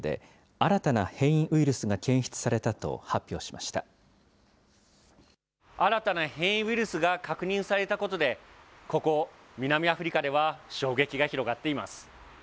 新たな変異ウイルスが確認されたことで、ここ、南アフリカでは衝撃が広がっています。